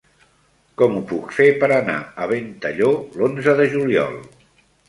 Com ho puc fer per anar a Ventalló l'onze de juliol?